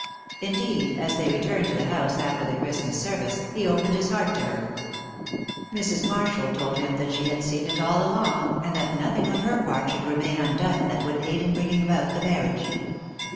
Indeed, as they returned to the house after the Christmas service, he opened his heart to her. Mrs. Marshall told him that she had seen it all along, and that nothing on her part should remain undone that would aid in bringing about the marriage.